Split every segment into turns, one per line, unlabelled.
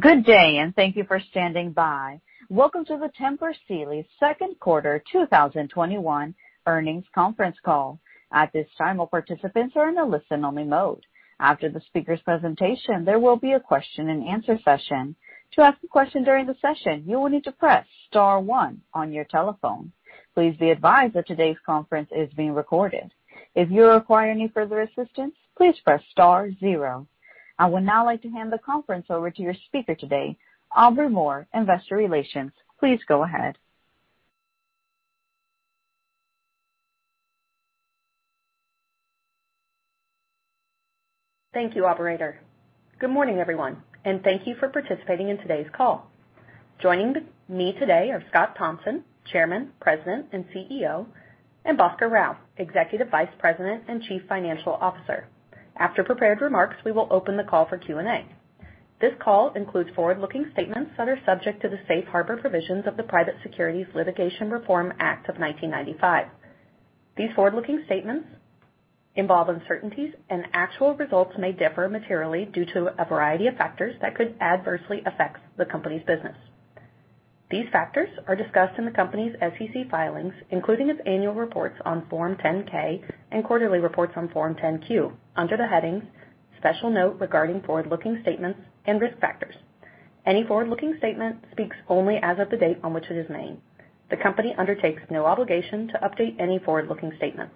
Good day, and thank you for standing by. Welcome to the Tempur Sealy second quarter 2021 earnings conference call. At this time, all participants are in a listen-only mode. After the speaker's presentation, there will be a question-and-answer session. To ask a question during the session, you will need to press star one on your telephone. Please be advised that today's conference is being recorded. If you require any further assistance, please press star zero. I would now like to hand the conference over to your speaker today, Aubrey Moore, investor relations. Please go ahead.
Thank you, operator. Good morning, everyone, and thank you for participating in today's call. Joining me today are Scott Thompson, Chairman, President, and CEO, and Bhaskar Rao, Executive Vice President and Chief Financial Officer. After prepared remarks, we will open the call for Q&A. This call includes forward-looking statements that are subject to the safe harbor provisions of the Private Securities Litigation Reform Act of 1995. These forward-looking statements involve uncertainties, and actual results may differ materially due to a variety of factors that could adversely affect the company's business. These factors are discussed in the company's SEC filings, including its annual reports on Form 10-K and quarterly reports on Form 10-Q, under the headings Special Note Regarding Forward-Looking Statements and Risk Factors. Any forward-looking statement speaks only as of the date on which it is made. The company undertakes no obligation to update any forward-looking statements.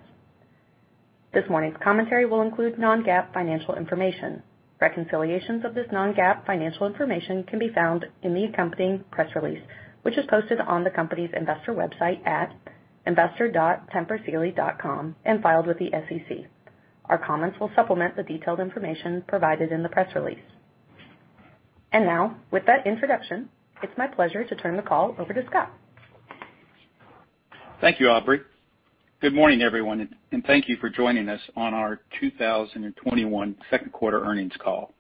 This morning's commentary will include non-GAAP financial information. Reconciliations of this non-GAAP financial information can be found in the accompanying press release, which is posted on the company's investor website at investor.tempursealy.com and filed with the SEC. Our comments will supplement the detailed information provided in the press release. Now, with that introduction, it's my pleasure to turn the call over to Scott.
Thank you, Aubrey. Good morning, everyone, and thank you for joining us on our 2021 second quarter earnings call.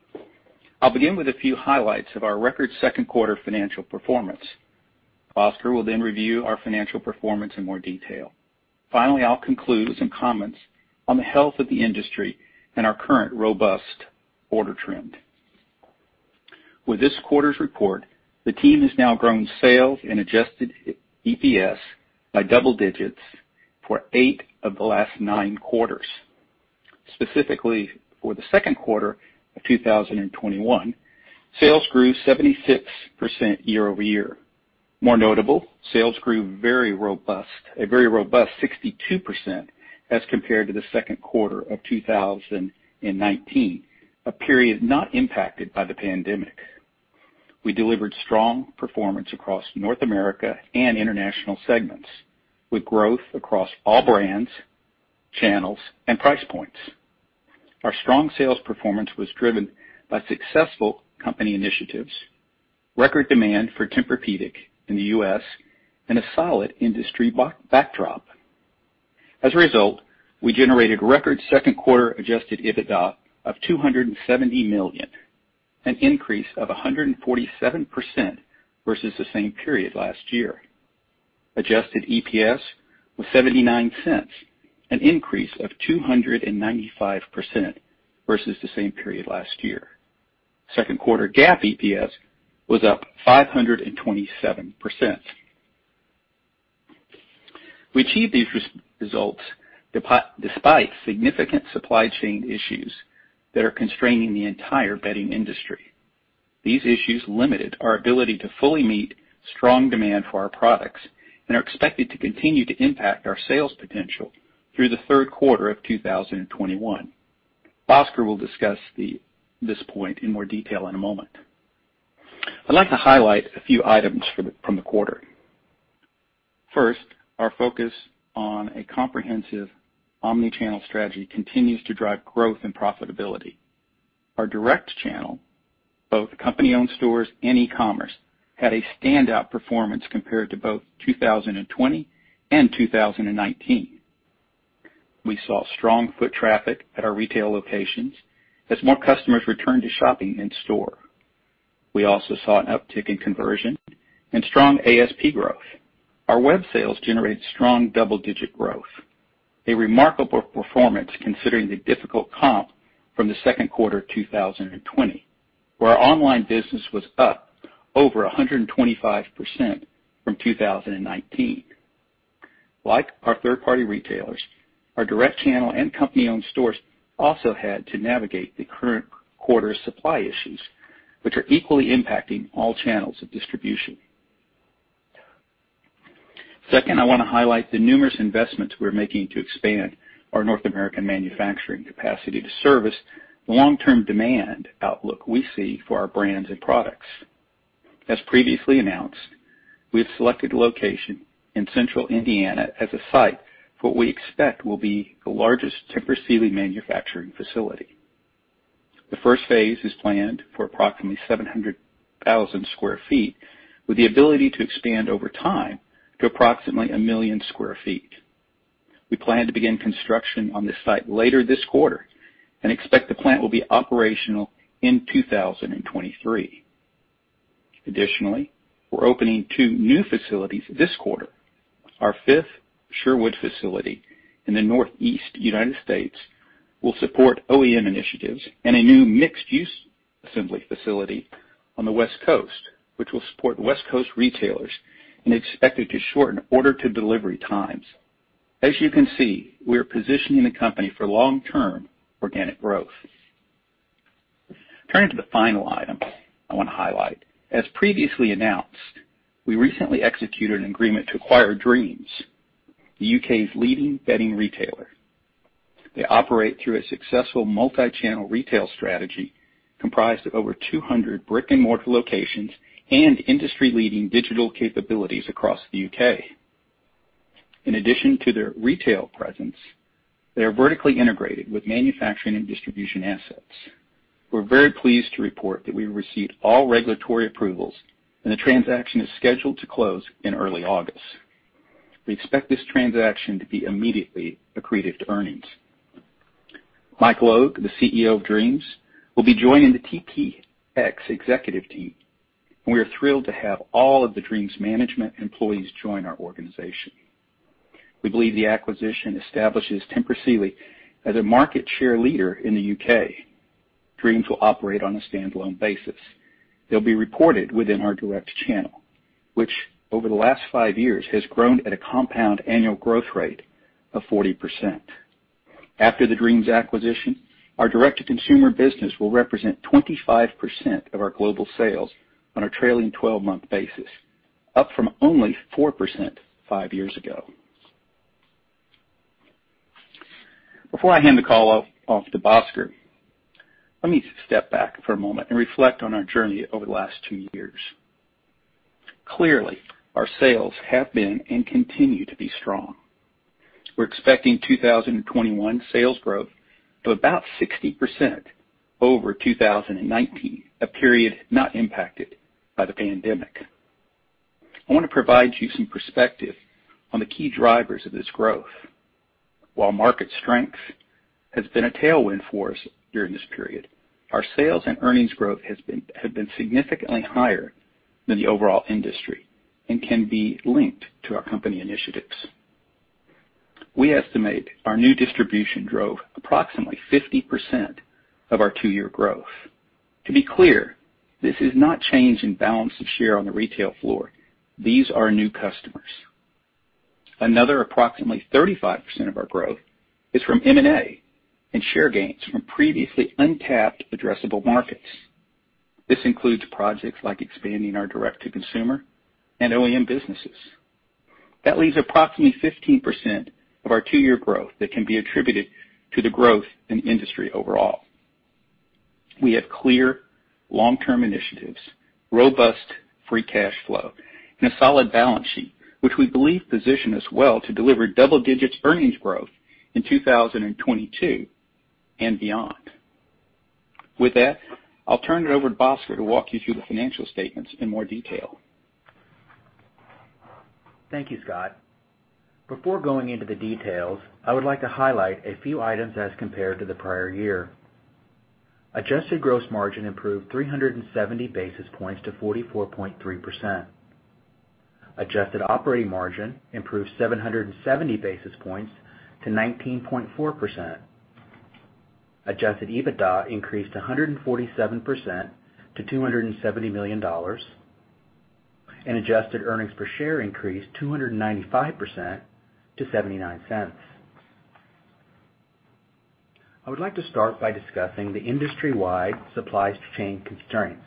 I'll begin with a few highlights of our record second quarter financial performance. Bhaskar will then review our financial performance in more detail. Finally, I'll conclude with some comments on the health of the industry and our current robust order trend. With this quarter's report, the team has now grown sales and adjusted EPS by double digits for eight of the last nine quarters. Specifically for the second quarter of 2021, sales grew 76% year-over-year. More notable, sales grew a very robust 62% as compared to the second quarter of 2019, a period not impacted by the pandemic. We delivered strong performance across North America and international segments, with growth across all brands, channels, and price points. Our strong sales performance was driven by successful company initiatives, record demand for Tempur-Pedic in the U.S., and a solid industry backdrop. As a result, we generated record second-quarter adjusted EBITDA of $270 million, an increase of 147% versus the same period last year. Adjusted EPS was $0.79, an increase of 295% versus the same period last year. Second quarter GAAP EPS was up 527%. We achieved these results despite significant supply chain issues that are constraining the entire bedding industry. These issues limited our ability to fully meet strong demand for our products and are expected to continue to impact our sales potential through the third quarter of 2021. Bhaskar will discuss this point in more detail in a moment. I'd like to highlight a few items from the quarter. First, our focus on a comprehensive omni-channel strategy continues to drive growth and profitability. Our direct channel, both company-owned stores and e-commerce, had a standout performance compared to both 2020 and 2019. We saw strong foot traffic at our retail locations as more customers returned to shopping in store. We also saw an uptick in conversion and strong ASP growth. Our web sales generated strong double-digit growth, a remarkable performance considering the difficult comp from the second quarter of 2020, where our online business was up over 125% from 2019. Like our third-party retailers, our direct channel and company-owned stores also had to navigate the current quarter's supply issues, which are equally impacting all channels of distribution. Second, I want to highlight the numerous investments we're making to expand our North American manufacturing capacity to service the long-term demand outlook we see for our brands and products. As previously announced, we have selected a location in central Indiana as a site for what we expect will be the largest Tempur Sealy manufacturing facility. The first phase is planned for approximately 700,000 sq ft, with the ability to expand over time to approximately 1 million sq ft. We plan to begin construction on this site later this quarter and expect the plant will be operational in 2023. We're opening two new facilities this quarter. Our fifth Sherwood facility in the Northeast U.S. will support OEM initiatives and a new mixed-use assembly facility on the West Coast, which will support West Coast retailers and expected to shorten order-to-delivery times. As you can see, we are positioning the company for long-term organic growth. Turning to the final item I want to highlight. As previously announced, we recently executed an agreement to acquire Dreams, the U.K.'s leading bedding retailer. They operate through a successful multi-channel retail strategy comprised of over 200 brick-and-mortar locations and industry-leading digital capabilities across the U.K. In addition to their retail presence, they are vertically integrated with manufacturing and distribution assets. We're very pleased to report that we received all regulatory approvals, and the transaction is scheduled to close in early August. We expect this transaction to be immediately accretive to earnings. Mike Logue, the CEO of Dreams, will be joining the TPX Executive Team, and we are thrilled to have all of the Dreams management employees join our organization. We believe the acquisition establishes Tempur Sealy as a market share leader in the U.K. Dreams will operate on a standalone basis. They'll be reported within our direct channel, which over the last five years has grown at a compound annual growth rate of 40%. After the Dreams acquisition, our direct-to-consumer business will represent 25% of our global sales on a trailing 12-month basis, up from only 4% five years ago. Before I hand the call off to Bhaskar, let me step back for a moment and reflect on our journey over the last two years. Clearly, our sales have been and continue to be strong. We're expecting 2021 sales growth of about 60% over 2019, a period not impacted by the pandemic. I want to provide you some perspective on the key drivers of this growth. While market strength has been a tailwind for us during this period, our sales and earnings growth have been significantly higher than the overall industry and can be linked to our company initiatives. We estimate our new distribution drove approximately 50% of our two-year growth. To be clear, this is not change in balance of share on the retail floor. These are new customers. Another approximately 35% of our growth is from M&A and share gains from previously untapped addressable markets. This includes projects like expanding our direct-to-consumer and OEM businesses. That leaves approximately 15% of our two-year growth that can be attributed to the growth in the industry overall. We have clear long-term initiatives, robust free cash flow, and a solid balance sheet, which we believe position us well to deliver double-digits earnings growth in 2022 and beyond. With that, I'll turn it over to Bhaskar to walk you through the financial statements in more detail.
Thank you, Scott. Before going into the details, I would like to highlight a few items as compared to the prior year. Adjusted gross margin improved 370 basis points to 44.3%. Adjusted operating margin improved 770 basis points to 19.4%. Adjusted EBITDA increased 147% to $270 million, and adjusted earnings per share increased 295% to $0.79. I would like to start by discussing the industry-wide supply chain constraints.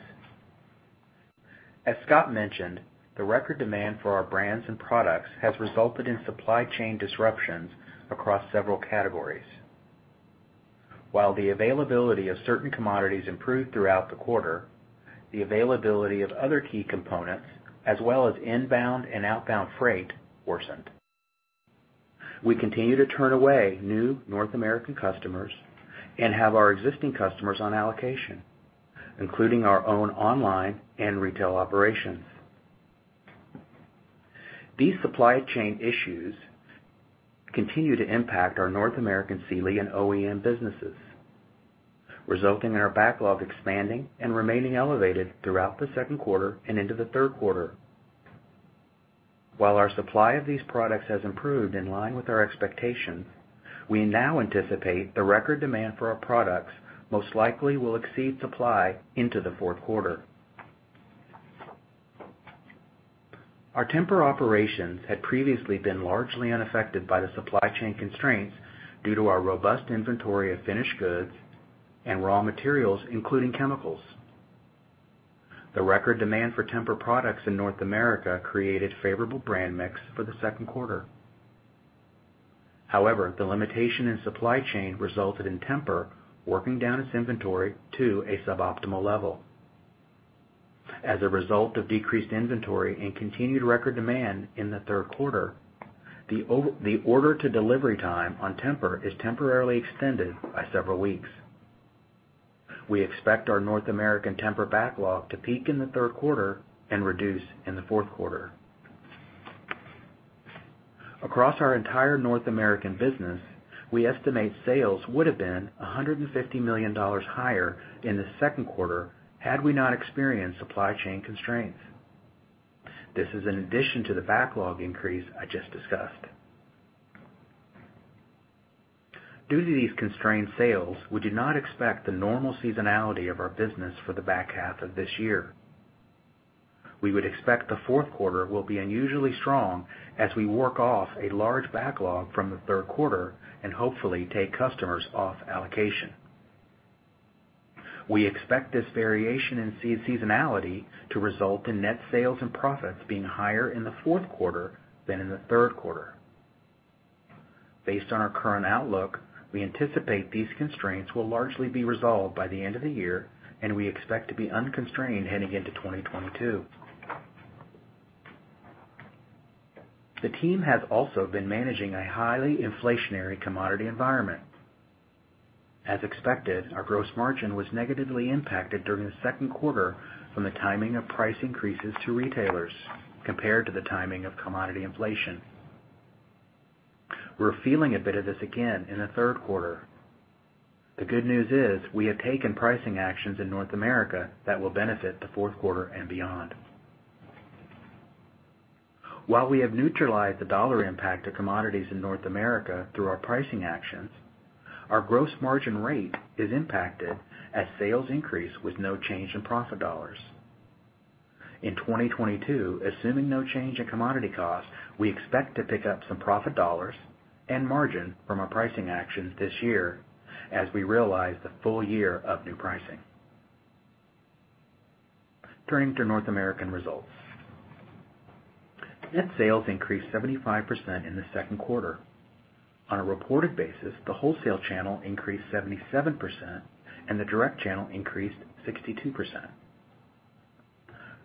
As Scott mentioned, the record demand for our brands and products has resulted in supply chain disruptions across several categories. While the availability of certain commodities improved throughout the quarter, the availability of other key components, as well as inbound and outbound freight, worsened. We continue to turn away new North American customers and have our existing customers on allocation, including our own online and retail operations. These supply chain issues continue to impact our North American Sealy and OEM businesses, resulting in our backlog expanding and remaining elevated throughout the second quarter and into the third quarter. While our supply of these products has improved in line with our expectations, we now anticipate the record demand for our products most likely will exceed supply into the fourth quarter. Our Tempur operations had previously been largely unaffected by the supply chain constraints due to our robust inventory of finished goods and raw materials, including chemicals. The record demand for Tempur products in North America created favorable brand mix for the second quarter. However, the limitation in supply chain resulted in Tempur working down its inventory to a suboptimal level. As a result of decreased inventory and continued record demand in the third quarter, the order-to-delivery time on Tempur is temporarily extended by several weeks. We expect our North American Tempur backlog to peak in the third quarter and reduce in the fourth quarter. Across our entire North American business, we estimate sales would have been $150 million higher in the second quarter had we not experienced supply chain constraints. This is in addition to the backlog increase I just discussed. Due to these constrained sales, we do not expect the normal seasonality of our business for the back half of this year. We would expect the fourth quarter will be unusually strong as we work off a large backlog from the third quarter and hopefully take customers off allocation. We expect this variation in seasonality to result in net sales and profits being higher in the fourth quarter than in the third quarter. Based on our current outlook, we anticipate these constraints will largely be resolved by the end of the year, and we expect to be unconstrained heading into 2022. The team has also been managing a highly inflationary commodity environment. As expected, our gross margin was negatively impacted during the second quarter from the timing of price increases to retailers compared to the timing of commodity inflation. We're feeling a bit of this again in the third quarter. The good news is we have taken pricing actions in North America that will benefit the fourth quarter and beyond. While we have neutralized the dollar impact of commodities in North America through our pricing actions, our gross margin rate is impacted as sales increase with no change in profit dollars. In 2022, assuming no change in commodity costs, we expect to pick up some profit dollars and margin from our pricing actions this year as we realize the full year of new pricing. Turning to North American results. Net sales increased 75% in the second quarter. On a reported basis, the wholesale channel increased 77% and the direct channel increased 62%.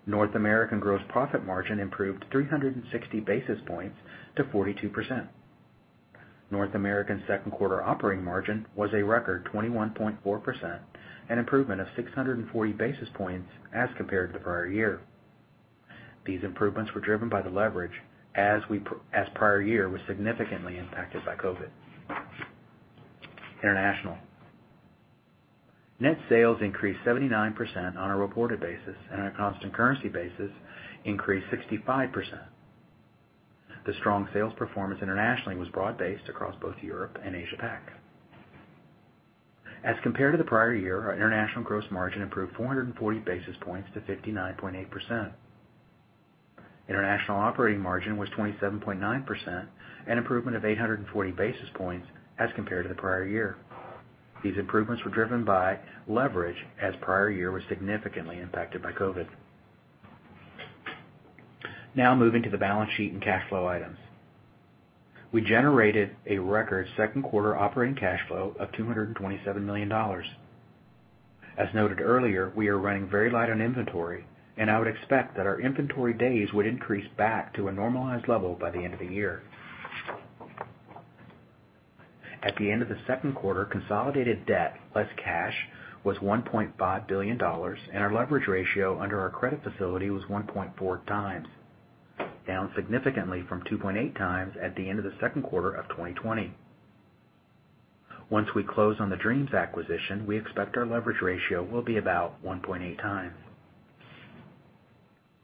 North American gross profit margin improved 360 basis points to 42%. North American second quarter operating margin was a record 21.4%, an improvement of 640 basis points as compared to the prior year. These improvements were driven by the leverage as prior year was significantly impacted by COVID. International. Net sales increased 79% on a reported basis, and on a constant currency basis increased 65%. The strong sales performance internationally was broad-based across both Europe and Asia-Pac. As compared to the prior year, our international gross margin improved 440 basis points to 59.8%. International operating margin was 27.9%, an improvement of 840 basis points as compared to the prior year. These improvements were driven by leverage, as prior year was significantly impacted by COVID. Moving to the balance sheet and cash flow items. We generated a record second quarter operating cash flow of $227 million. As noted earlier, we are running very light on inventory, and I would expect that our inventory days would increase back to a normalized level by the end of the year. At the end of the second quarter, consolidated debt, less cash, was $1.5 billion, and our leverage ratio under our credit facility was 1.4x, down significantly from 2.8x at the end of the second quarter of 2020. Once we close on the Dreams acquisition, we expect our leverage ratio will be about 1.8x.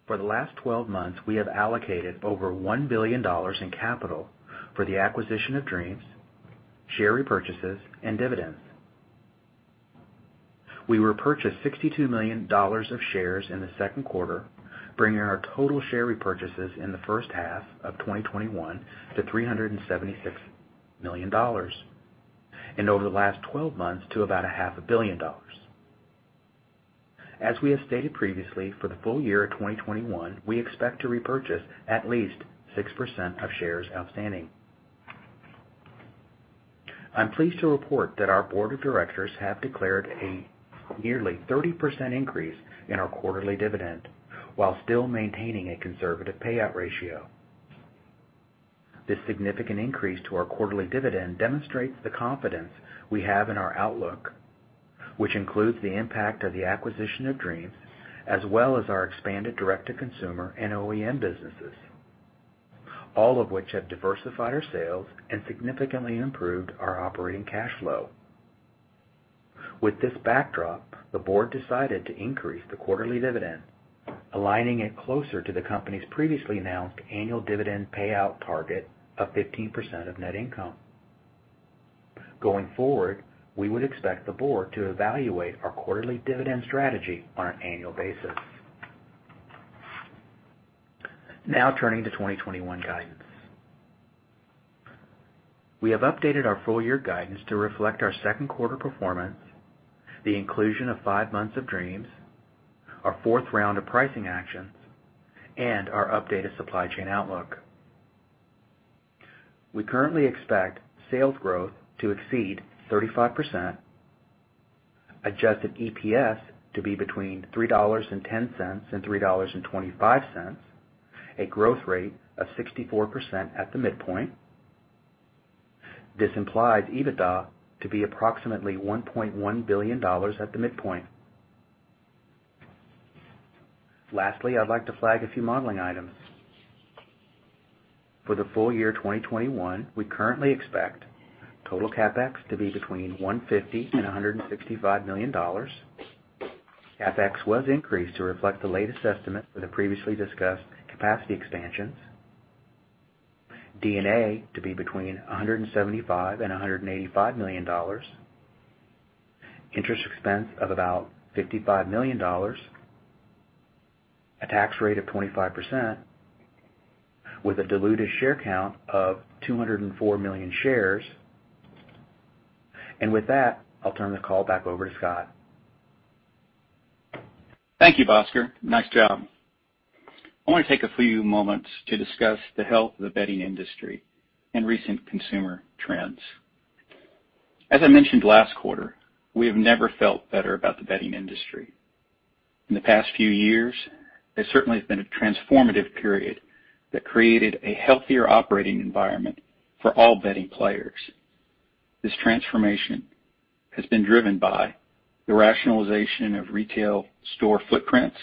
For the last 12 months, we have allocated over $1 billion in capital for the acquisition of Dreams, share repurchases, and dividends. We repurchased $62 million of shares in the second quarter, bringing our total share repurchases in the first half of 2021 to $376 million. Over the last 12 months, to about $500 million. As we have stated previously, for the full year of 2021, we expect to repurchase at least 6% of shares outstanding. I'm pleased to report that our board of directors have declared a nearly 30% increase in our quarterly dividend while still maintaining a conservative payout ratio. This significant increase to our quarterly dividend demonstrates the confidence we have in our outlook, which includes the impact of the acquisition of Dreams, as well as our expanded direct-to-consumer and OEM businesses, all of which have diversified our sales and significantly improved our operating cash flow. With this backdrop, the board decided to increase the quarterly dividend, aligning it closer to the company's previously announced annual dividend payout target of 15% of net income. Going forward, we would expect the board to evaluate our quarterly dividend strategy on an annual basis. Now turning to 2021 guidance. We have updated our full year guidance to reflect our second quarter performance, the inclusion of five months of Dreams, our fourth round of pricing actions, and our updated supply chain outlook. We currently expect sales growth to exceed 35%, adjusted EPS to be between $3.10 and $3.25, a growth rate of 64% at the midpoint. This implies EBITDA to be approximately $1.1 billion at the midpoint. Lastly, I'd like to flag a few modeling items. For the full year 2021, we currently expect total CapEx to be between $150 million and $165 million. CapEx was increased to reflect the latest estimate for the previously discussed capacity expansions. D&A to be between $175 million and $185 million. Interest expense of about $55 million. A tax rate of 25%, with a diluted share count of 204 million shares. With that, I'll turn the call back over to Scott.
Thank you, Bhaskar. Nice job. I want to take a few moments to discuss the health of the bedding industry and recent consumer trends. As I mentioned last quarter, we have never felt better about the bedding industry. In the past few years, it certainly has been a transformative period that created a healthier operating environment for all bedding players. This transformation has been driven by the rationalization of retail store footprints,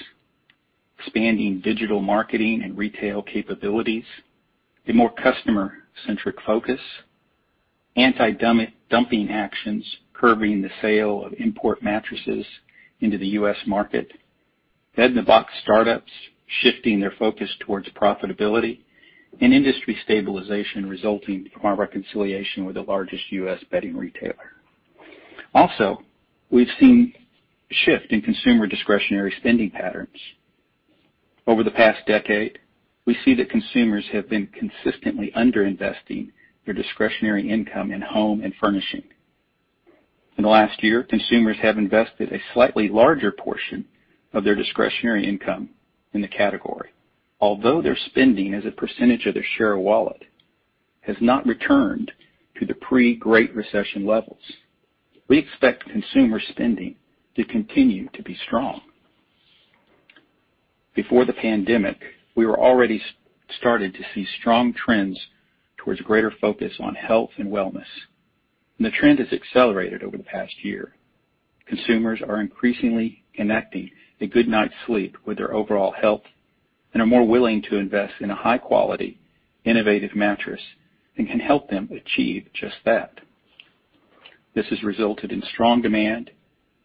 expanding digital marketing and retail capabilities, a more customer-centric focus, anti-dumping actions curbing the sale of import mattresses into the U.S. market, bed-in-a-box startups shifting their focus towards profitability, and industry stabilization resulting from our reconciliation with the largest U.S. bedding retailer. We've seen a shift in consumer discretionary spending patterns. Over the past decade, we see that consumers have been consistently under-investing their discretionary income in home and furnishing. In the last year, consumers have invested a slightly larger portion of their discretionary income in the category. Although their spending as a percentage of their share of wallet has not returned to the pre-Great Recession levels, we expect consumer spending to continue to be strong. Before the pandemic, we were already started to see strong trends towards greater focus on health and wellness. The trend has accelerated over the past year. Consumers are increasingly connecting a good night's sleep with their overall health and are more willing to invest in a high-quality, innovative mattress that can help them achieve just that. This has resulted in strong demand,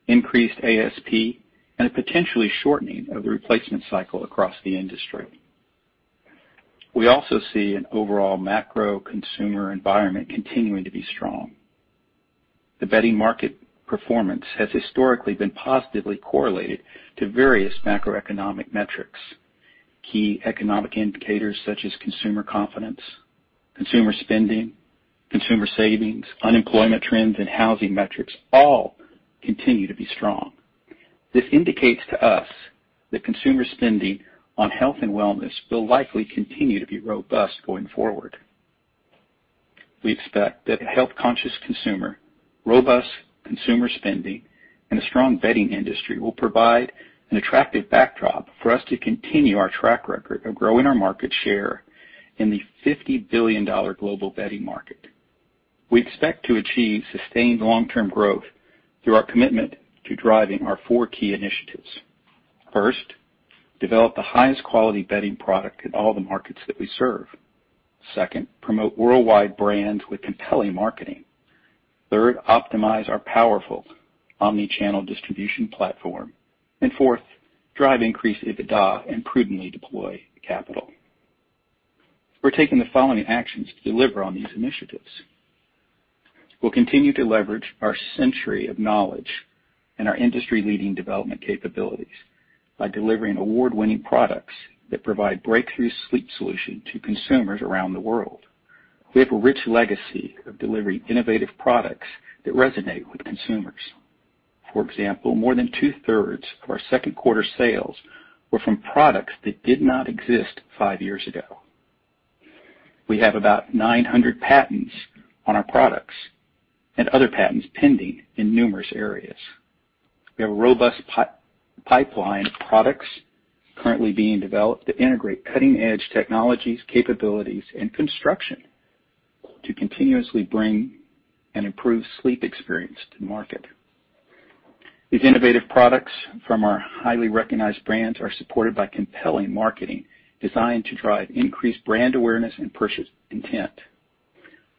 increased ASP, and a potentially shortening of the replacement cycle across the industry. We also see an overall macro consumer environment continuing to be strong. The bedding market performance has historically been positively correlated to various macroeconomic metrics. Key economic indicators such as consumer confidence, consumer spending, consumer savings, unemployment trends, and housing metrics all continue to be strong. This indicates to us that consumer spending on health and wellness will likely continue to be robust going forward. We expect that a health-conscious consumer, robust consumer spending, and a strong bedding industry will provide an attractive backdrop for us to continue our track record of growing our market share in the $50 billion global bedding market. We expect to achieve sustained long-term growth through our commitment to driving our four key initiatives. First, develop the highest quality bedding product in all the markets that we serve. Second, promote worldwide brands with compelling marketing. Third, optimize our powerful omni-channel distribution platform. Fourth, drive increased EBITDA and prudently deploy the capital. We're taking the following actions to deliver on these initiatives. We'll continue to leverage our century of knowledge and our industry-leading development capabilities by delivering award-winning products that provide breakthrough sleep solutions to consumers around the world. We have a rich legacy of delivering innovative products that resonate with consumers. For example, more than 2/3 of our second quarter sales were from products that did not exist 5 years ago. We have about 900 patents on our products and other patents pending in numerous areas. We have a robust pipeline of products currently being developed to integrate cutting-edge technologies, capabilities, and construction to continuously bring an improved sleep experience to market. These innovative products from our highly recognized brands are supported by compelling marketing designed to drive increased brand awareness and purchase intent.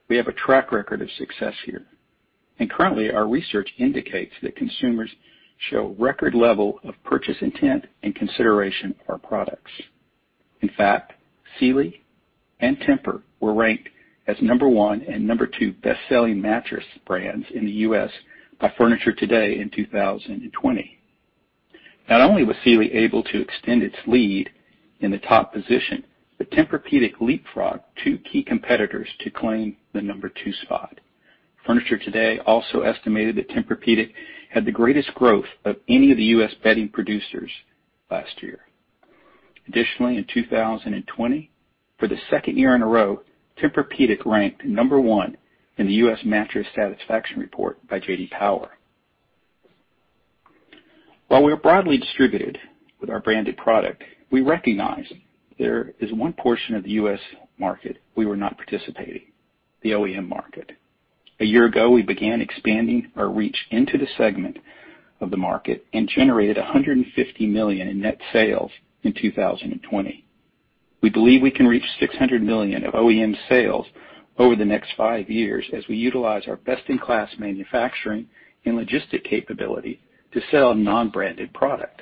We have a track record of success here, and currently, our research indicates that consumers show record level of purchase intent and consideration of our products. In fact, Sealy and Tempur were ranked as number one and number two best-selling mattress brands in the U.S. by Furniture Today in 2020. Not only was Sealy able to extend its lead in the top position, but Tempur-Pedic leapfrogged two key competitors to claim the number two spot. Furniture Today also estimated that Tempur-Pedic had the greatest growth of any of the U.S. bedding producers last year. Additionally, in 2020, for the second year in a row, Tempur-Pedic ranked number one in the U.S. Mattress Satisfaction Report by J.D. Power. While we are broadly distributed with our branded product, we recognize there is one portion of the U.S. market we were not participating, the OEM market. A year ago, we began expanding our reach into the segment of the market and generated $150 million in net sales in 2020. We believe we can reach $600 million of OEM sales over the next five years as we utilize our best-in-class manufacturing and logistic capability to sell non-branded product.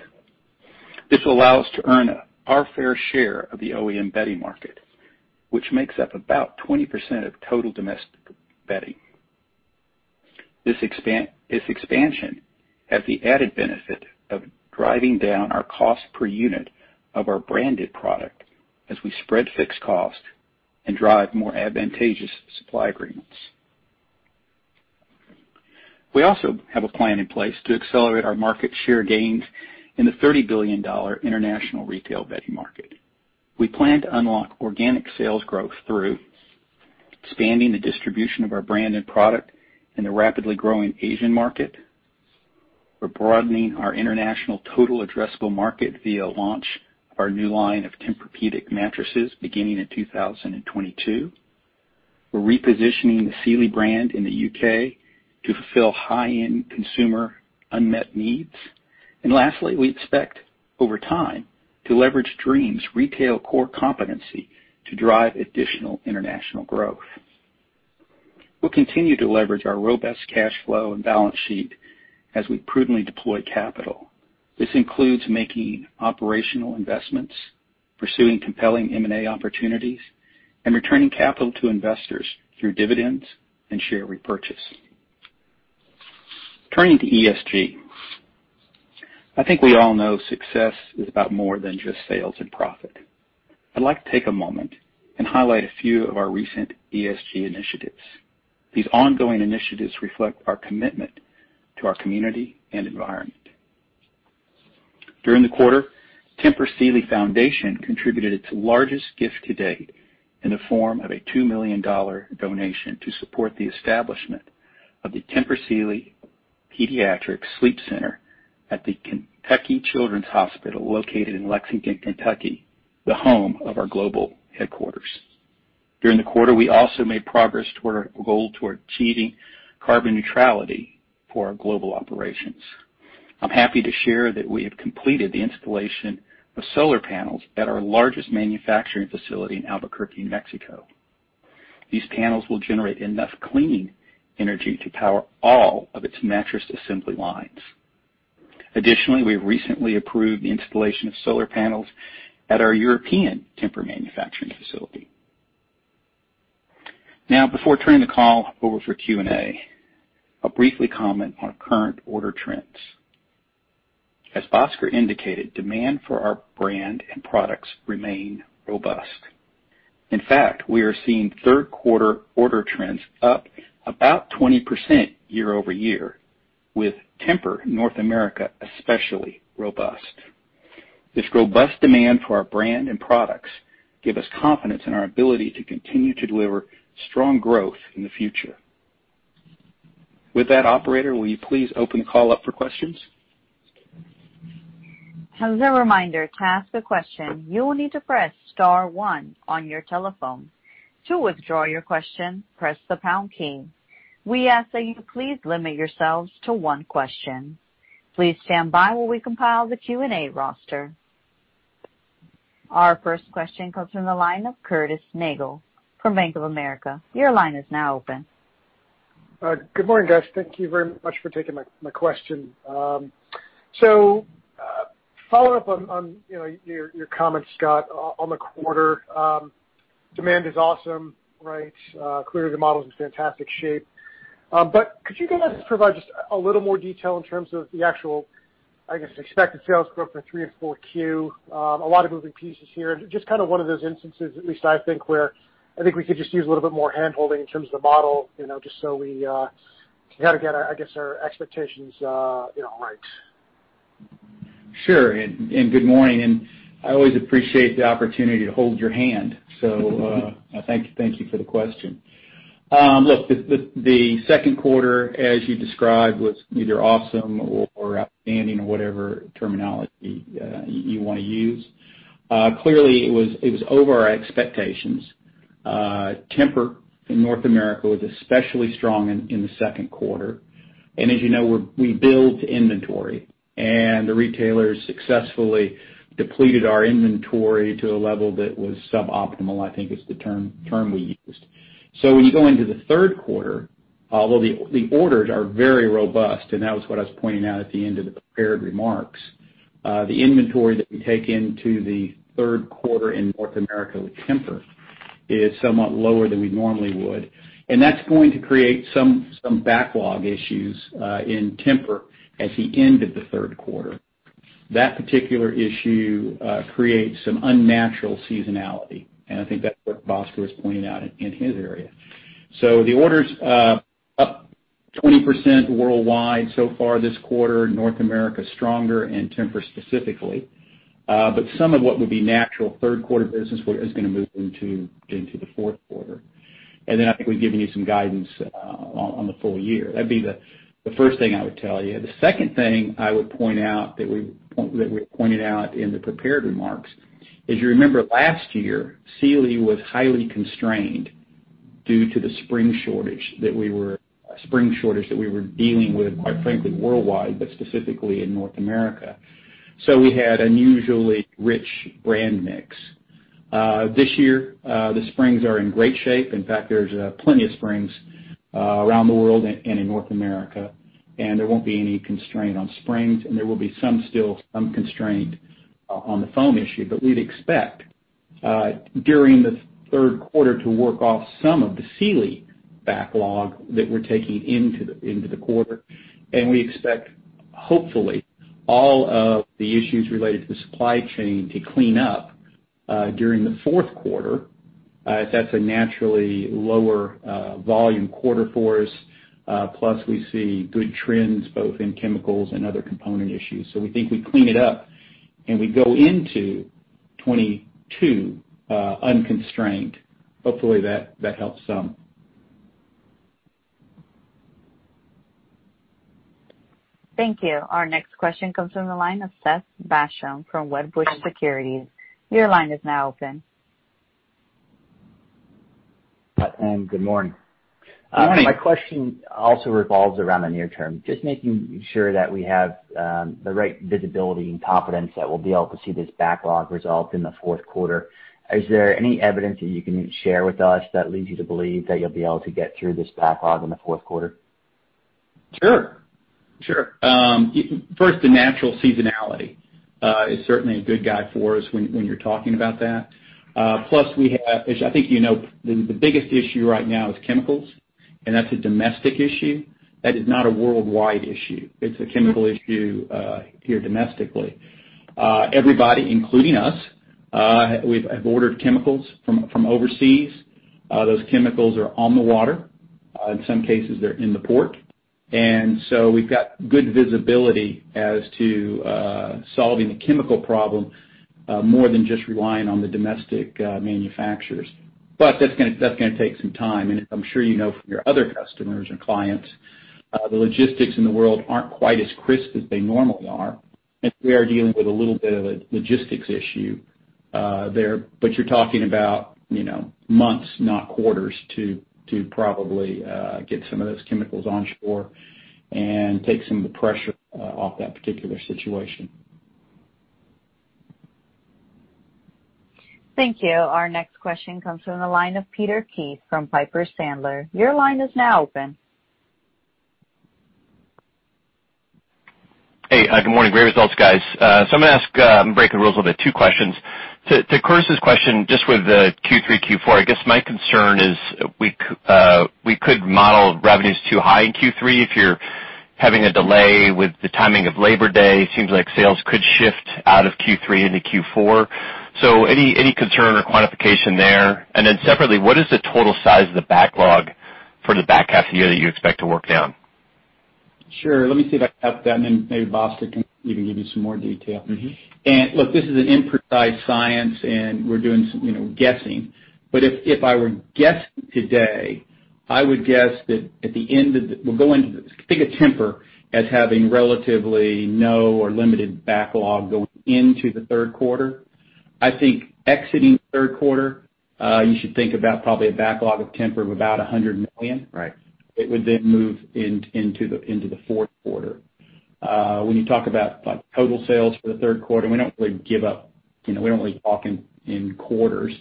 This will allow us to earn our fair share of the OEM bedding market, which makes up about 20% of total domestic bedding. This expansion has the added benefit of driving down our cost per unit of our branded product as we spread fixed cost and drive more advantageous supply agreements. We also have a plan in place to accelerate our market share gains in the $30 billion international retail bedding market. We plan to unlock organic sales growth through expanding the distribution of our branded product in the rapidly growing Asian market. We're broadening our international total addressable market via launch of our new line of Tempur-Pedic mattresses beginning in 2022. We're repositioning the Sealy brand in the U.K. to fulfill high-end consumer unmet needs. Lastly, we expect over time to leverage Dreams' retail core competency to drive additional international growth. We'll continue to leverage our robust cash flow and balance sheet as we prudently deploy capital. This includes making operational investments, pursuing compelling M&A opportunities, and returning capital to investors through dividends and share repurchase. Turning to ESG. I think we all know success is about more than just sales and profit. I'd like to take a moment and highlight a few of our recent ESG initiatives. These ongoing initiatives reflect our commitment to our community and environment. During the quarter, Tempur Sealy Foundation contributed its largest gift to date in the form of a $2 million donation to support the establishment of the Tempur Sealy Pediatric Sleep Center at the Kentucky Children's Hospital, located in Lexington, Kentucky, the home of our global headquarters. During the quarter, we also made progress toward our goal toward achieving carbon neutrality for our global operations. I'm happy to share that we have completed the installation of solar panels at our largest manufacturing facility in Albuquerque, New Mexico. These panels will generate enough clean energy to power all of its mattress assembly lines. Additionally, we have recently approved the installation of solar panels at our European Tempur manufacturing facility. Before turning the call over for Q&A, I'll briefly comment on current order trends. As Bhaskar indicated, demand for our brand and products remain robust. In fact, we are seeing third quarter order trends up about 20% year-over-year, with Tempur North America especially robust. This robust demand for our brand and products give us confidence in our ability to continue to deliver strong growth in the future. With that, operator, will you please open the call up for questions?
As a reminder, to ask a question, you will need to press star one on your telephone. To withdraw your question, press the pound key. We ask that you please limit yourselves to one question. Please stand by while we compile the Q&A roster. Our first question comes from the line of Curtis Nagle from Bank of America. Your line is now open.
Good morning, guys. Thank you very much for taking my question. Following up on your comments, Scott, on the quarter, demand is awesome, right? Clearly, the model's in fantastic shape. Could you guys provide just a little more detail in terms of the actual, I guess, expected sales growth for 3Q and 4Q? A lot of moving pieces here. Just kind of one of those instances, at least I think, where I think we could just use a little bit more hand-holding in terms of the model, just so we can kind of get, I guess, our expectations right.
Sure. Good morning, and I always appreciate the opportunity to hold your hand. Thank you for the question. Look, the second quarter, as you described, was either awesome or outstanding or whatever terminology you want to use. Clearly, it was over our expectations. Tempur in North America was especially strong in the second quarter. As you know, we build to inventory, and the retailers successfully depleted our inventory to a level that was suboptimal, I think is the term we used. When you go into the third quarter, although the orders are very robust, and that was what I was pointing out at the end of the prepared remarks, the inventory that we take into the third quarter in North America with Tempur is somewhat lower than we normally would. That's going to create some backlog issues in Tempur at the end of the third quarter. That particular issue creates some unnatural seasonality, and I think that's what Bhaskar was pointing out in his area. The orders are up 20% worldwide so far this quarter, North America stronger in Tempur specifically. Some of what would be natural third quarter business is going to move into the fourth quarter. Then I think we've given you some guidance on the full year. That'd be the first thing I would tell you. The second thing I would point out that we pointed out in the prepared remarks is, you remember last year, Sealy was highly constrained due to the spring shortage that we were dealing with, quite frankly, worldwide, but specifically in North America. We had unusually rich brand mix. This year, the springs are in great shape. In fact, there's plenty of springs around the world and in North America, and there won't be any constraint on springs, and there will be some constraint on the foam issue. We'd expect, during the third quarter, to work off some of the Sealy backlog that we're taking into the quarter. We expect, hopefully, all of the issues related to the supply chain to clean up during the fourth quarter. That's a naturally lower volume quarter for us. Plus, we see good trends both in chemicals and other component issues. We think we clean it up and we go into 2022 unconstrained. Hopefully, that helps some.
Thank you. Our next question comes from the line of Seth Basham from Wedbush Securities. Your line is now open.
Good morning.
Good morning.
My question also revolves around the near term, just making sure that we have the right visibility and confidence that we'll be able to see this backlog resolve in the fourth quarter. Is there any evidence that you can share with us that leads you to believe that you'll be able to get through this backlog in the fourth quarter?
Sure. First, the natural seasonality is certainly a good guide for us when you're talking about that. We have, as I think you know, the biggest issue right now is chemicals, and that's a domestic issue. That is not a worldwide issue. It's a chemical issue here domestically. Everybody, including us, have ordered chemicals from overseas. Those chemicals are on the water. In some cases, they're in the port. We've got good visibility as to solving the chemical problem, more than just relying on the domestic manufacturers. That's going to take some time, and I'm sure you know from your other customers or clients, the logistics in the world aren't quite as crisp as they normally are. We are dealing with a little bit of a logistics issue there. You're talking about months, not quarters, to probably get some of those chemicals onshore and take some of the pressure off that particular situation.
Thank you. Our next question comes from the line of Peter Keith from Piper Sandler. Your line is now open.
Hey, good morning. Great results, guys. I'm going to ask, and break the rules a bit, two questions. To Curtis' question, just with the Q3, Q4, I guess my concern is we could model revenues too high in Q3 if you're having a delay with the timing of Labor Day. It seems like sales could shift out of Q3 into Q4. Any concern or quantification there? Separately, what is the total size of the backlog for the back half of the year that you expect to work down?
Sure. Let me see if I can help with that, and then maybe Bhaskar can even give you some more detail. Look, this is an imprecise science, and we're doing some guessing. If I were guessing today, I would guess that. Think of Tempur as having relatively no or limited backlog going into the third quarter. I think exiting third quarter, you should think about probably a backlog of Tempur of about $100 million.
Right.
It would then move into the fourth quarter. When you talk about total sales for the third quarter, we don't really give up, we don't really talk in quarters.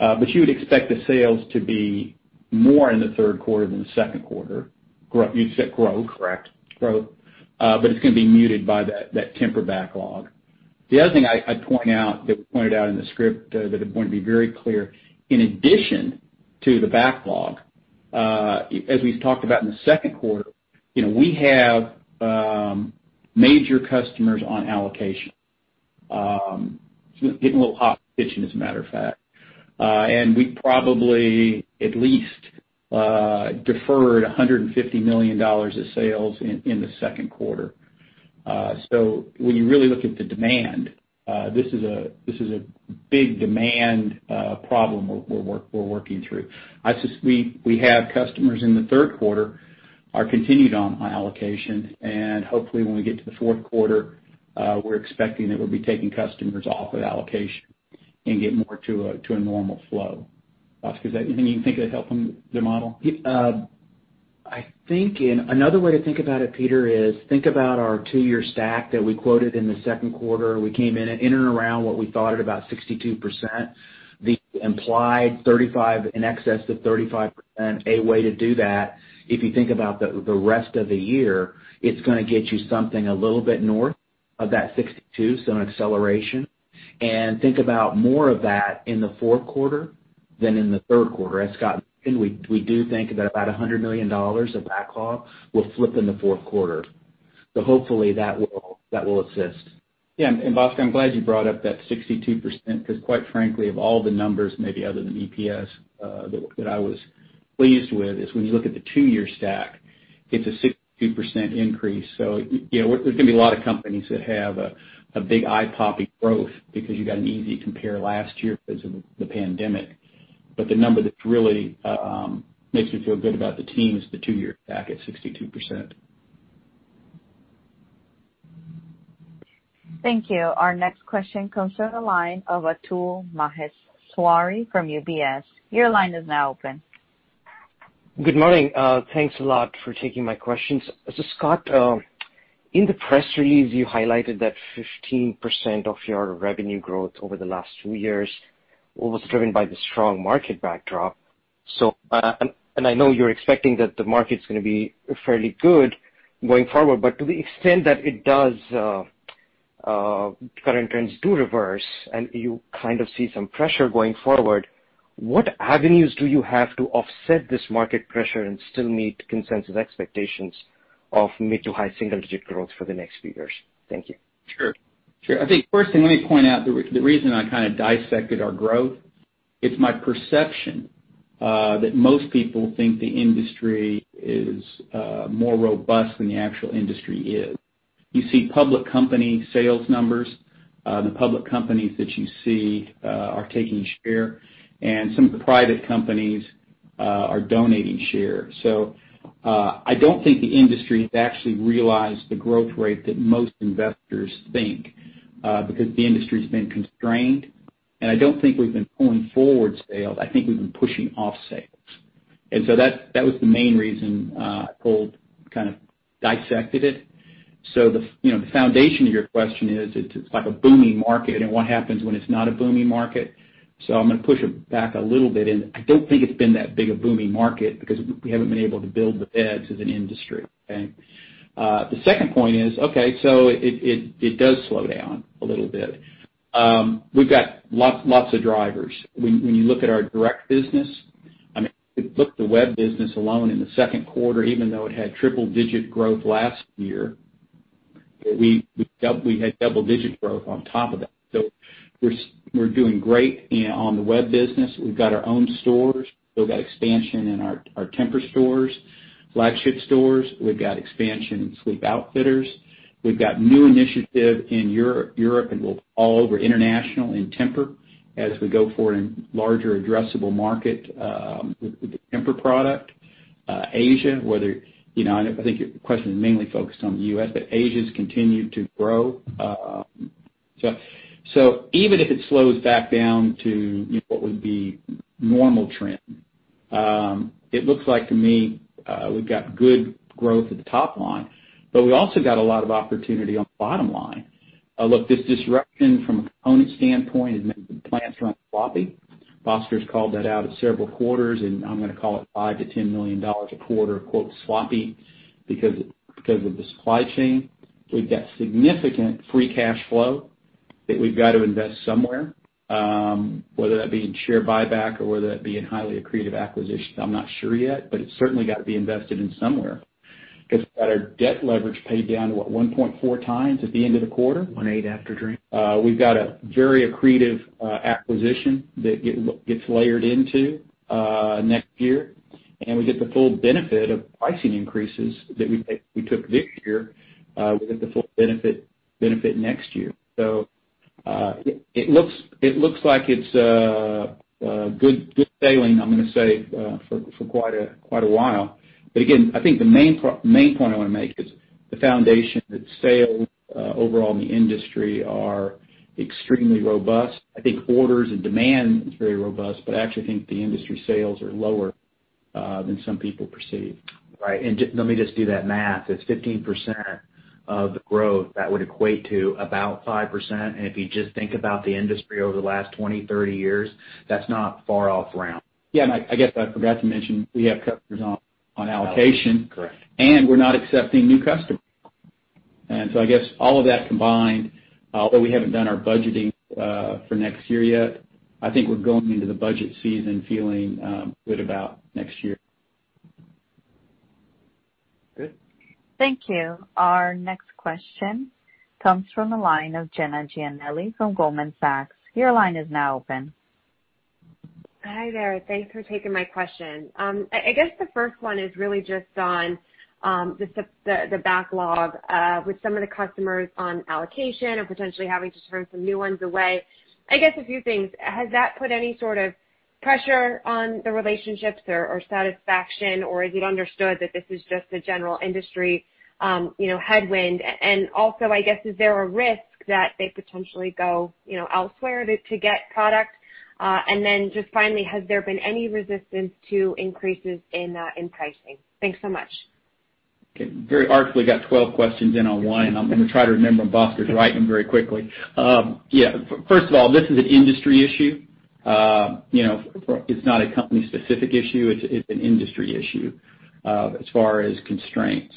You would expect the sales to be more in the third quarter than the second quarter. You'd say growth.
Correct.
Growth. It's going to be muted by that Tempur backlog. The other thing I'd point out that we pointed out in the script that I want to be very clear, in addition to the backlog, as we talked about in the second quarter, we have major customers on allocation. Getting a little hot and itchy, as a matter of fact. We probably at least deferred $150 million of sales in the second quarter. When you really look at the demand, this is a big demand problem we're working through. We have customers in the third quarter are continued on allocation, and hopefully when we get to the fourth quarter, we're expecting that we'll be taking customers off of allocation and get more to a normal flow. Bhaskar, anything you think would help them, their model?
I think another way to think about it, Peter, is think about our two-year stack that we quoted in the second quarter. We came in and around what we thought at about 62%, the implied 35% in excess of 35%. A way to do that, if you think about the rest of the year, it's going to get you something a little bit north of that 62%, so an acceleration. Think about more of that in the fourth quarter than in the third quarter. As Scott mentioned, we do think that about $100 million of backlog will flip in the fourth quarter. Hopefully that will assist.
Bhaskar, I'm glad you brought up that 62%, because quite frankly, of all the numbers, maybe other than EPS, that I was pleased with is when you look at the two-year stack, it's a 62% increase. There's going to be a lot of companies that have a big eye-popping growth because you got an easy compare last year because of the pandemic. The number that really makes me feel good about the team is the two-year stack at 62%.
Thank you. Our next question comes from the line of Atul Maheswari from UBS. Your line is now open.
Good morning. Thanks a lot for taking my questions. Scott, in the press release, you highlighted that 15% of your revenue growth over the last two years was driven by the strong market backdrop. I know you're expecting that the market's going to be fairly good going forward, but to the extent that current trends do reverse and you kind of see some pressure going forward, what avenues do you have to offset this market pressure and still meet consensus expectations of mid to high single-digit growth for the next few years? Thank you.
Sure. I think first thing, let me point out the reason I kind of dissected our growth, it's my perception that most people think the industry is more robust than the actual industry is. You see public company sales numbers. The public companies that you see are taking share, and some of the private companies are donating share. I don't think the industry has actually realized the growth rate that most investors think, because the industry's been constrained, and I don't think we've been pulling forward sales. I think we've been pushing off sales. That was the main reason I kind of dissected it. The foundation of your question is, it's like a booming market, and what happens when it's not a booming market? I'm going to push it back a little bit, and I don't think it's been that big a booming market because we haven't been able to build the beds as an industry. Okay? The second point is, okay, so it does slow down a little bit. We've got lots of drivers. When you look at our direct business, if you look at the web business alone in the second quarter, even though it had triple-digit growth last year, we had double-digit growth on top of that. We're doing great on the web business. We've got our own stores. We've got expansion in our Tempur stores, flagship stores. We've got expansion in Sleep Outfitters. We've got new initiative in Europe and all over international in Tempur as we go forward in larger addressable market with the Tempur product. Asia, I think your question is mainly focused on the U.S., but Asia's continued to grow. Even if it slows back down to what would be normal trend, it looks like to me we've got good growth at the top line, but we also got a lot of opportunity on the bottom line. Look, this disruption from a component standpoint has meant the plants run floppy. Bhaskar called that out at several quarters, and I'm going to call it $5 million-$10 million a quarter, quote, "sloppy" because of the supply chain. We've got significant free cash flow that we've got to invest somewhere, whether that be in share buyback or whether that be in highly accretive acquisition, I'm not sure yet, but it's certainly got to be invested in somewhere because we've got our debt leverage paid down to what? 1.4x at the end of the quarter.
1.8x after Dreams.
We've got a very accretive acquisition that gets layered into next year, and we get the full benefit of pricing increases that we took this year, we'll get the full benefit next year. It looks like it's good sailing, I'm going to say, for quite a while. Again, I think the main point I want to make is the foundation that sales overall in the industry are extremely robust. I think orders and demand is very robust, but I actually think the industry sales are lower than some people perceive.
Right. Let me just do that math. It's 15% of the growth that would equate to about 5%. If you just think about the industry over the last 20 years, 30 years, that's not far off round.
Yeah, I guess I forgot to mention we have customers on allocation.
Correct.
We're not accepting new customers. I guess all of that combined, although we haven't done our budgeting for next year yet, I think we're going into the budget season feeling good about next year.
Good.
Thank you. Our next question comes from the line of Jenna Giannelli from Goldman Sachs. Your line is now open.
Hi there. Thanks for taking my question. I guess the first one is really just on the backlog with some of the customers on allocation and potentially having to turn some new ones away. I guess a few things, has that put any sort of pressure on the relationships or satisfaction, or is it understood that this is just a general industry headwind? Also, I guess is there a risk that they potentially go elsewhere to get product? Then just finally, has there been any resistance to increases in pricing? Thanks so much.
Okay. Very articulately got 12 questions in on one, I'm going to try to remember them. Bhaskar writing very quickly. Yeah, first of all, this is an industry issue. It's not a company specific issue. It's an industry issue as far as constraint.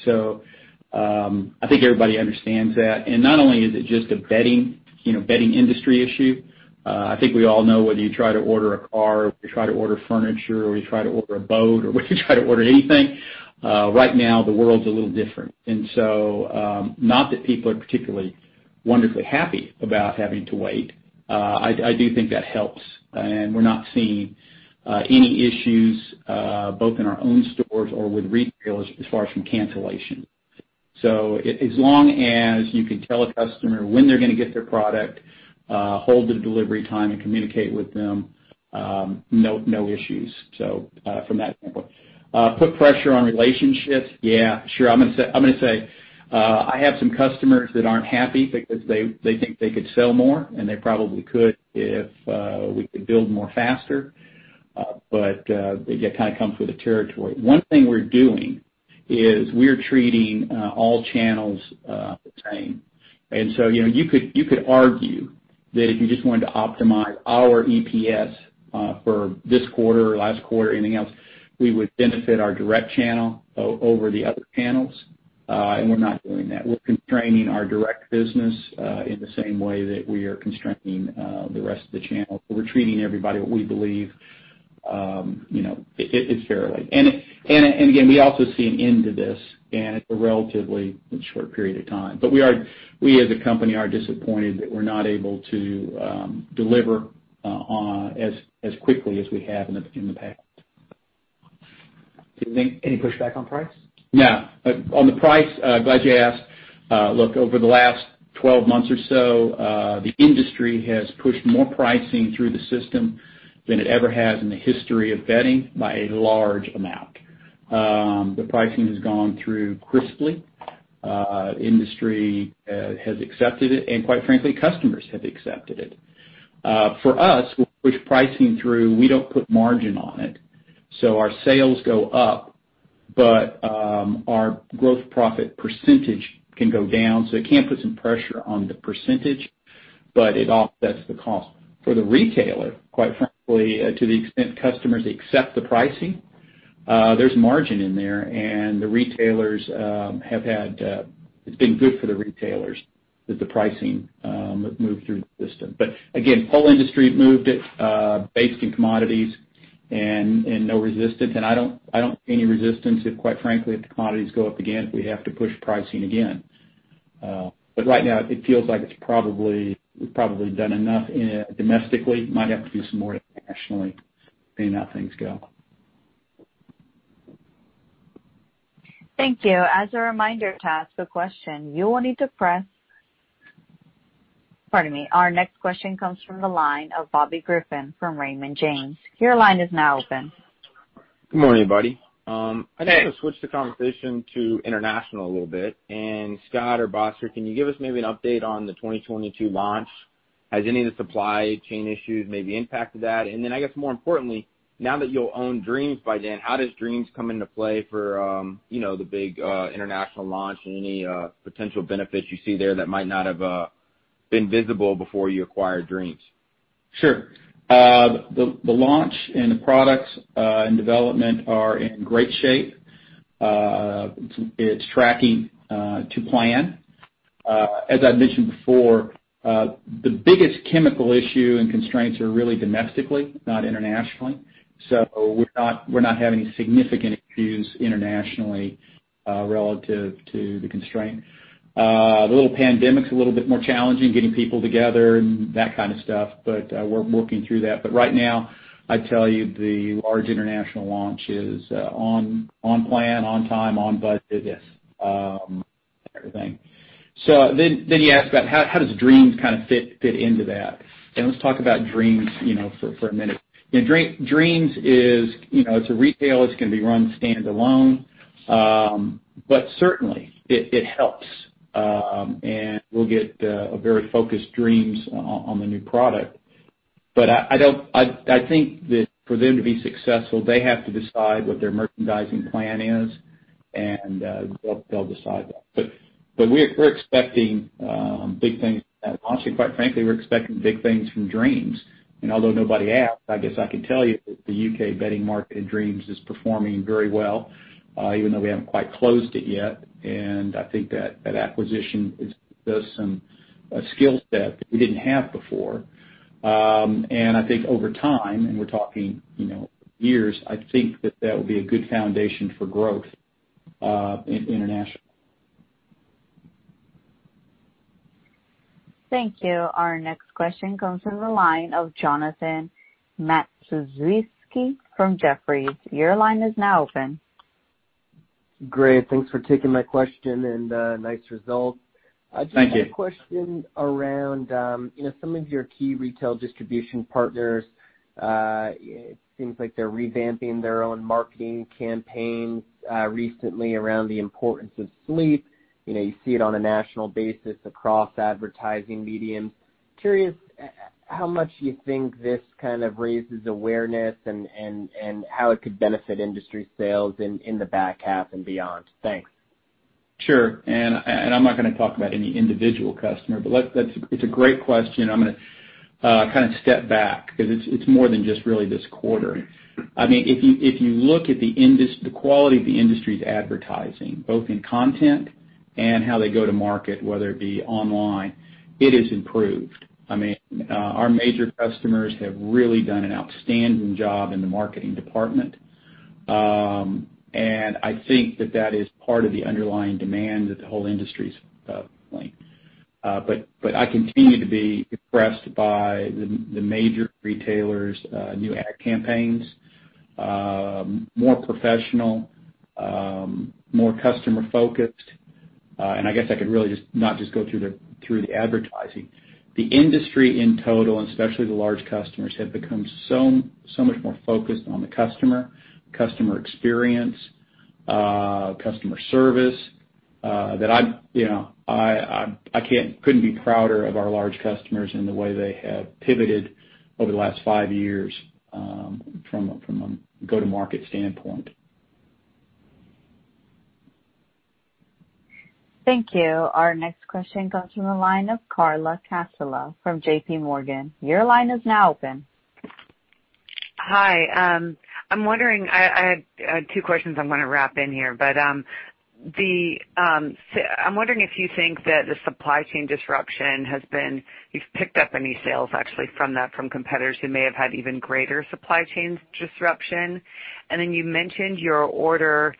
I think everybody understands that. Not only is it just a bedding industry issue, I think we all know whether you try to order a car, or if you try to order furniture, or you try to order a boat, or whether you try to order anything, right now the world's a little different. Not that people are particularly wonderfully happy about having to wait, I do think that helps, and we're not seeing any issues both in our own stores or with retail as far as from cancellation. As long as you can tell a customer when they're going to get their product, hold the delivery time and communicate with them, no issues. From that standpoint. Put pressure on relationships, yeah, sure. I'm going to say I have some customers that aren't happy because they think they could sell more, and they probably could if we could build more faster. It kind of comes with the territory. One thing we're doing is we're treating all channels the same. You could argue that if you just wanted to optimize our EPS for this quarter or last quarter, anything else, we would benefit our direct channel over the other channels. We're not doing that. We're constraining our direct business in the same way that we are constraining the rest of the channel. We're treating everybody what we believe is fairly. Again, we also see an end to this, and it's a relatively short period of time. We, as a company, are disappointed that we're not able to deliver as quickly as we have in the past.
Do you think any pushback on price?
On the price, glad you asked. Look, over the last 12 months or so, the industry has pushed more pricing through the system than it ever has in the history of bedding by a large amount. The pricing has gone through crisply. Industry has accepted it, and quite frankly, customers have accepted it. For us, we push pricing through, we don't put margin on it, our sales go up, but our gross profit percentage can go down. It can put some pressure on the percentage, but it offsets the cost. For the retailer, quite frankly, to the extent customers accept the pricing, there's margin in there, and it's been good for the retailers that the pricing moved through the system. Again, the whole industry moved it based in commodities and no resistance, and I don't see any resistance if, quite frankly, if the commodities go up again, if we have to push pricing again. Right now, it feels like we've probably done enough domestically, might have to do some more internationally, seeing how things go.
Thank you. As a reminder to ask a question, you will need to press. Pardon me. Our next question comes from the line of Bobby Griffin from Raymond James. Your line is now open.
Good morning, everybody.
Hey.
I'd like to switch the conversation to international a little bit. Scott or Bhaskar, can you give us maybe an update on the 2022 launch? Has any of the supply chain issues maybe impacted that? I guess more importantly, now that you own Dreams by then, how does Dreams come into play for the big international launch and any potential benefits you see there that might not have been visible before you acquired Dreams?
Sure. The launch and the products and development are in great shape. It's tracking to plan. As I mentioned before, the biggest chemical issue and constraints are really domestically, not internationally. We're not having any significant issues internationally relative to the constraint. The little pandemic's a little bit more challenging, getting people together and that kind of stuff, but we're working through that. Right now, I'd tell you the large international launch is on plan, on time, on budget, everything. You ask about how does Dreams kind of fit into that? Let's talk about Dreams for a minute. Dreams, it's a retail. It's going to be run standalone. Certainly, it helps, and we'll get a very focused Dreams on the new product. I think that for them to be successful, they have to decide what their merchandising plan is, and they'll decide that. We're expecting big things from that launch, and quite frankly, we're expecting big things from Dreams. Although nobody asked, I guess I can tell you that the U.K. bedding market in Dreams is performing very well, even though we haven't quite closed it yet. I think that acquisition gives us a skill set that we didn't have before. I think over time, and we're talking years, I think that that will be a good foundation for growth internationally.
Thank you. Our next question comes from the line of Jonathan Matuszewski from Jefferies. Your line is now open.
Great. Thanks for taking my question and nice results.
Thank you.
I just had a question around some of your key retail distribution partners. It seems like they're revamping their own marketing campaigns recently around the importance of sleep. You see it on a national basis across advertising mediums. Curious how much you think this kind of raises awareness and how it could benefit industry sales in the back half and beyond. Thanks.
Sure. I'm not going to talk about any individual customer, but it's a great question. I'm going to kind of step back because it's more than just really this quarter. If you look at the quality of the industry's advertising, both in content and how they go to market, whether it be online, it has improved. Our major customers have really done an outstanding job in the marketing department. I think that that is part of the underlying demand that the whole industry's linked. I continue to be impressed by the major retailers' new ad campaigns. More professional, more customer-focused. I guess I could really just not just go through the advertising. The industry in total, and especially the large customers, have become so much more focused on the customer experience, customer service that I couldn't be prouder of our large customers and the way they have pivoted over the last five years from a go-to-market standpoint.
Thank you. Our next question comes from the line of Carla Casella from JPMorgan. Your line is now open.
Hi. I have two questions I'm going to wrap in here. I'm wondering if you think that the supply chain disruption, you've picked up any sales actually from that from competitors who may have had even greater supply chain disruption. You mentioned your order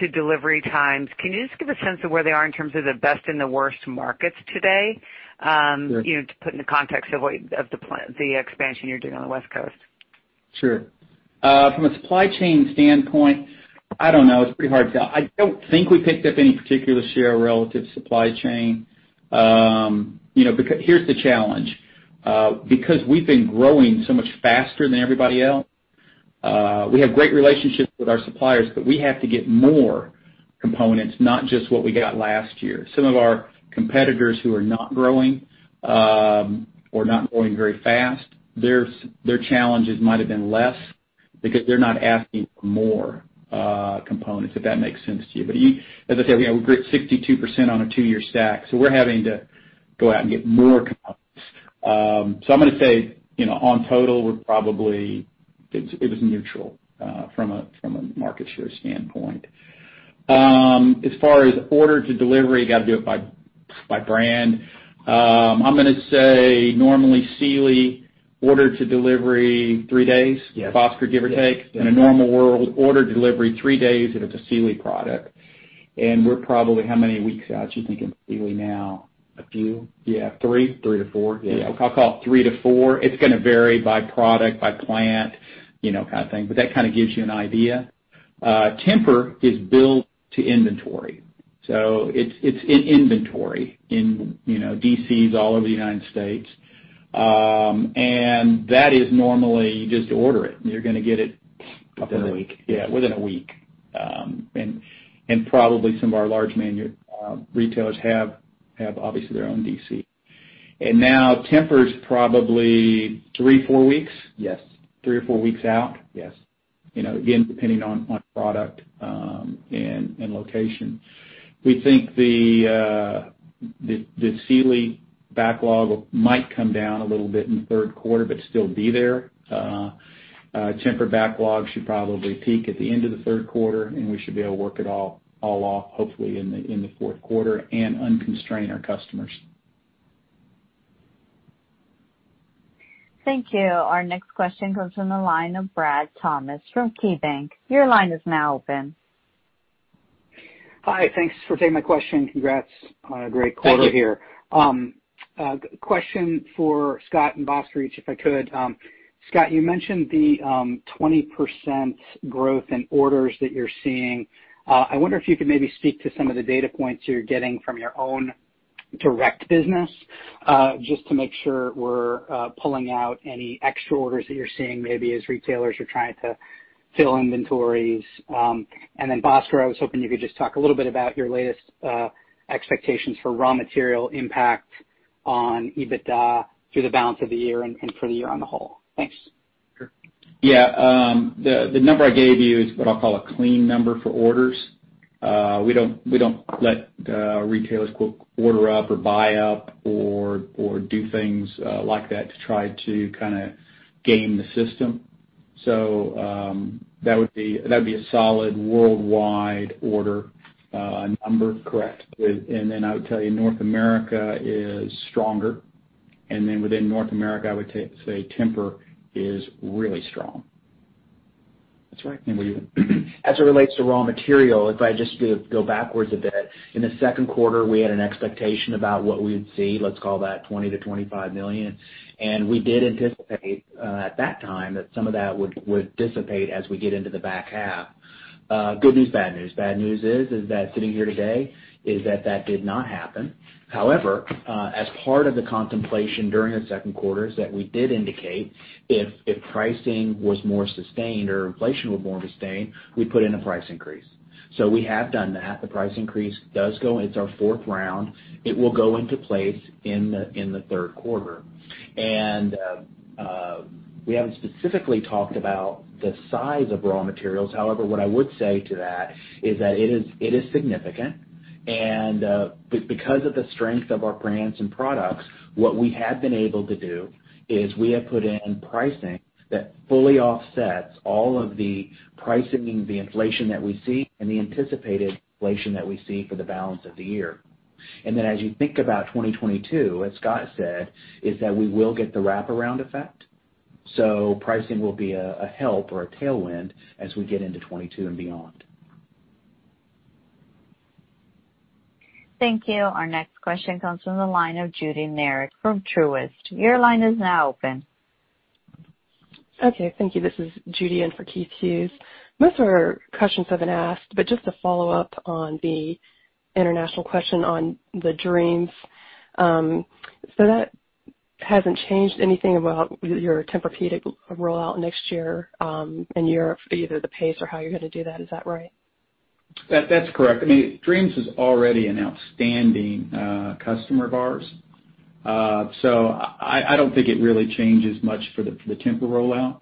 to delivery times. Can you just give a sense of where they are in terms of the best and the worst markets today?
Sure.
To put in the context of the expansion you're doing on the West Coast.
Sure. From a supply chain standpoint, I don't know, it's pretty hard to I don't think we picked up any particular share relative supply chain. Here's the challenge, because we've been growing so much faster than everybody else, we have great relationships with our suppliers, but we have to get more components, not just what we got last year. Some of our competitors who are not growing, or not growing very fast, their challenges might have been less because they're not asking for more components, if that makes sense to you. As I said, we're up 62% on a two-year stack, we're having to go out and get more components. I'm going to say, on total, we're probably, it was neutral from a market share standpoint. As far as order to delivery, got to do it by brand. I'm going to say normally Sealy order to delivery, three days?
Yes.
Bhaskar, give or take.
Yes.
In a normal world, order delivery three days if it's a Sealy product, and we're probably how many weeks out, you think, in Sealy now?
A few.
Yeah. Three?
Three to four. Yeah.
Yeah. I'll call it three to four. It's going to vary by product, by plant, kind of thing. That kind of gives you an idea. Tempur is built to inventory, so it's in inventory in DCs all over the United States. That is normally, you just order it, and you're going to get it.
Within a week.
Yeah, within a week. Probably some of our large retailers have obviously their own DC. Now Tempur's probably three, four weeks?
Yes.
Three or four weeks out?
Yes.
Again, depending on product and location. We think the Sealy backlog might come down a little bit in the third quarter but still be there. Tempur backlog should probably peak at the end of the third quarter. We should be able to work it all off hopefully in the fourth quarter and unconstrain our customers.
Thank you. Our next question comes from the line of Bradley Thomas from KeyBanc. Your line is now open.
Hi. Thanks for taking my question. Congrats on a great quarter here.
Thank you.
Question for Scott and Bhaskar each, if I could. Scott, you mentioned the 20% growth in orders that you're seeing. I wonder if you could maybe speak to some of the data points you're getting from your own direct business, just to make sure we're pulling out any extra orders that you're seeing maybe as retailers are trying to fill inventories. Bhaskar, I was hoping you could just talk a little bit about your latest expectations for raw material impact on EBITDA through the balance of the year and for the year on the whole. Thanks.
Sure. Yeah. The number I gave you is what I'll call a clean number for orders. We don't let retailers quote order up or buy up or do things like that to try to kind of game the system. That would be a solid worldwide order number.
Correct.
I would tell you North America is stronger, and then within North America, I would say Tempur is really strong.
That's right. As it relates to raw material, if I just go backwards a bit, in the second quarter, we had an expectation about what we would see, let's call that $20 million-$25 million. We did anticipate, at that time, that some of that would dissipate as we get into the back half. Good news, bad news. Bad news is that sitting here today, is that that did not happen. However, as part of the contemplation during the second quarter is that we did indicate if pricing was more sustained or inflation was more sustained, we'd put in a price increase. We have done that. The price increase does go, and it's our fourth round. It will go into place in the third quarter. We haven't specifically talked about the size of raw materials. However, what I would say to that is that it is significant, and because of the strength of our brands and products, what we have been able to do is we have put in pricing that fully offsets all of the pricing, the inflation that we see and the anticipated inflation that we see for the balance of the year. As you think about 2022, as Scott said, is that we will get the wraparound effect. Pricing will be a help or a tailwind as we get into 2022 and beyond.
Thank you. Our next question comes from the line of Judy Merrick from Truist. Your line is now open.
Okay, thank you. This is Judy in for Keith Hughes. Most of our questions have been asked, but just to follow up on the international question on the Dreams. Hasn't changed anything about your Tempur-Pedic rollout next year, in Europe, either the pace or how you're going to do that. Is that right?
That's correct. Dreams is already an outstanding customer of ours. I don't think it really changes much for the Tempur rollout.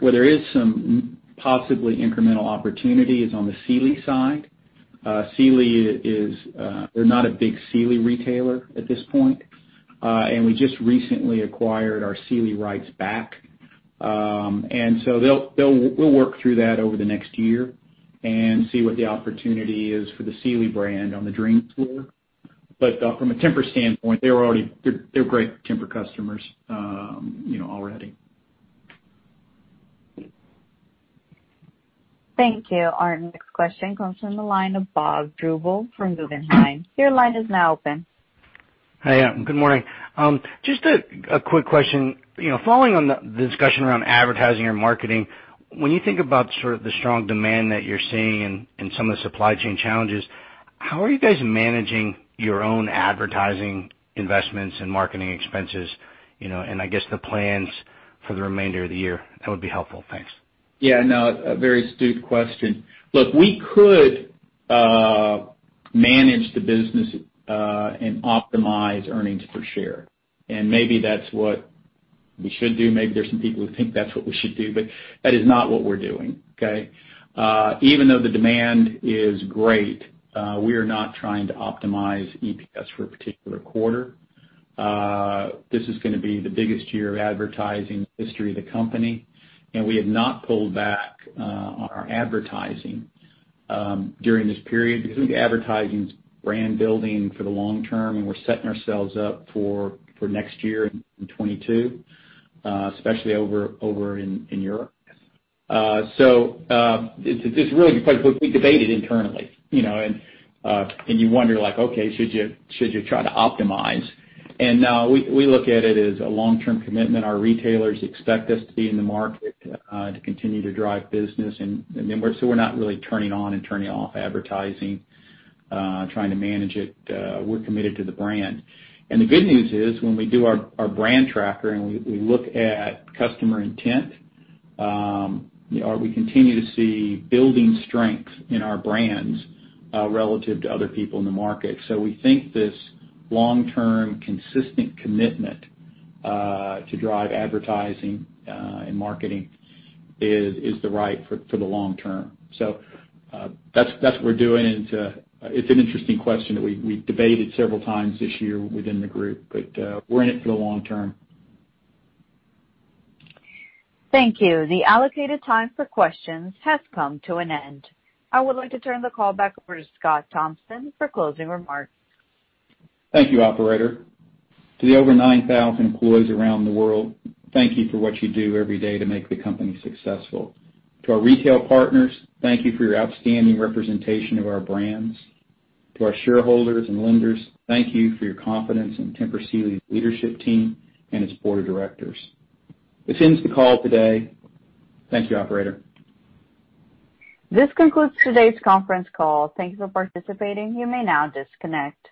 Where there is some possibly incremental opportunity is on the Sealy side. They're not a big Sealy retailer at this point. We just recently acquired our Sealy rights back. We'll work through that over the next year and see what the opportunity is for the Sealy brand on the Dreams [floor]. From a Tempur standpoint, they're great Tempur customers already.
Thank you. Our next question comes from the line of Bob Drbul from Guggenheim. Your line is now open.
Hey, good morning. Just a quick question. Following on the discussion around advertising or marketing, when you think about sort of the strong demand that you're seeing and some of the supply chain challenges, how are you guys managing your own advertising investments and marketing expenses, and I guess the plans for the remainder of the year? That would be helpful. Thanks.
Yeah, no, a very astute question. Look, we could manage the business and optimize earnings per share, and maybe that's what we should do, maybe there's some people who think that's what we should do, but that is not what we're doing, okay. Even though the demand is great, we are not trying to optimize EPS for a particular quarter. This is going to be the biggest year of advertising in the history of the company. We have not pulled back on our advertising during this period because we think advertising's brand building for the long term, and we're setting ourselves up for next year in 2022, especially over in Europe. Look, we debate it internally. You wonder, like, okay, should you try to optimize. No, we look at it as a long-term commitment. Our retailers expect us to be in the market to continue to drive business. We're not really turning on and turning off advertising, trying to manage it. We're committed to the brand. The good news is, when we do our brand tracker and we look at customer intent, we continue to see building strength in our brands relative to other people in the market. We think this long-term consistent commitment to drive advertising and marketing is the right for the long term. That's what we're doing, and it's an interesting question that we debated several times this year within the group. We're in it for the long term.
Thank you. The allocated time for questions has come to an end. I would like to turn the call back over to Scott Thompson for closing remarks.
Thank you, operator. To the over 9,000 employees around the world, thank you for what you do every day to make the company successful. To our retail partners, thank you for your outstanding representation of our brands. To our shareholders and lenders, thank you for your confidence in Tempur Sealy's leadership team and its board of directors. This ends the call today. Thank you, operator.
This concludes today's conference call. Thank you for participating. You may now disconnect.